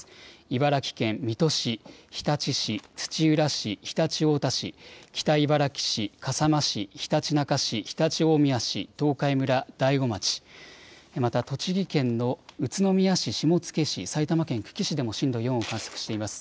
茨城県水戸市、日立市、土浦市、常陸太田市、北茨城市、笠間市、ひたちなか市、常陸大宮市、東海村、大子町、また栃木県の宇都宮市、下野市埼玉県久喜市でも震度４を観測しています。